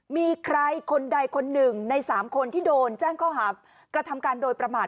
มีใครคนใดคนหนึ่งใน๓คนที่โดนแจ้งข้อหากระทำการโดยประมาท